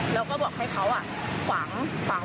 แล้วตามหายาดของแม่ลูกคู่นี้